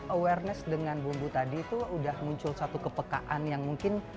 awareness dengan bumbu tadi itu udah muncul satu kepekaan yang mungkin